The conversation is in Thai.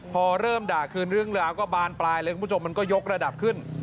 พอเริ่มด่าคืนเรื่องราวก็บานปลายเลยคุณผู้ชมมันก็ยกระดับขึ้น